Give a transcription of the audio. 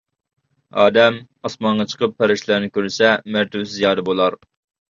ئادەم ئاسمانغا چىقىپ پەرىشتىلەرنى كۆرسە، مەرتىۋىسى زىيادە بولار.